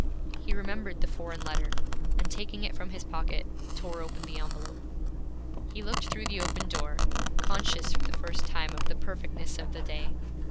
He remembered the foreign letter, and taking it from his pocket, tore open the envelope. He looked through the open door, conscious for the first time of the perfectness of the day.